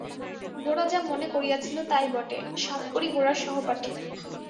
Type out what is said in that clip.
গোরা যা মনে করিয়াছিল তাই বটে– সাতকড়ি গোরার সহপাঠী।